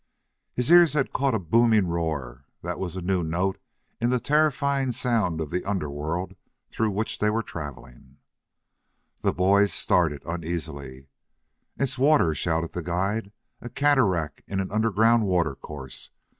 His ears had caught a booming roar that was a new note in the terrifying sounds of the underworld through which they were traveling. The boys started uneasily. "It's water," shouted the guide. "A cataract in an underground water course.